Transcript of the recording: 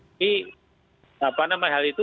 jadi apa namanya hal itu